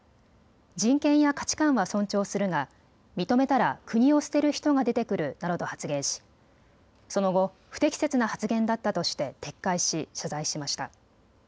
人権や価値観は尊重するが認めたら国を捨てる人が出てくるなどと発言しその後、不適切な発言だったとして撤回し謝罪しました。